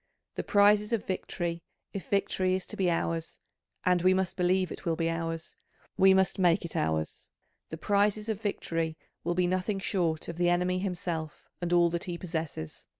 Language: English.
The prizes of victory, if victory is to be ours and we must believe it will be ours, we must make it ours the prizes of victory will be nothing short of the enemy himself and all that he possesses.